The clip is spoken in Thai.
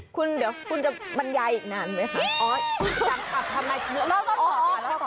คุณเดี๋ยวคุณจะบรรยายอีกนานไหมคะ